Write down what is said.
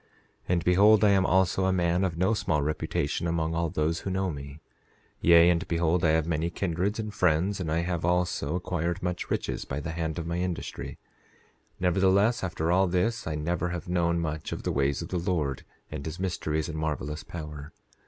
10:4 And behold, I am also a man of no small reputation among all those who know me; yea, and behold, I have many kindreds and friends, and I have also acquired much riches by the hand of my industry. 10:5 Nevertheless, after all this, I never have known much of the ways of the Lord, and his mysteries and marvelous power.